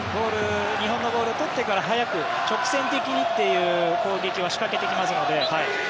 日本のボールを取ってから速く直線的な攻撃を仕掛けてきますので。